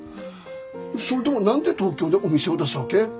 それと何で東京でお店を出すわけ？